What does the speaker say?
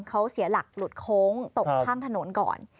เขาเสียหลักหลุดโค้งตกข้างถนนก่อน